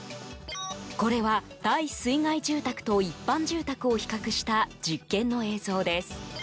これは、耐水害住宅と一般住宅を比較した実験の映像です。